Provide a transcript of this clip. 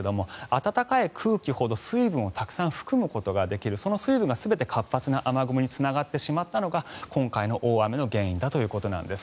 暖かい空気ほど水分をたくさん含むことができるその水分が全て活発な雨雲につながってしまったのが今回の大雨の原因だということなんです。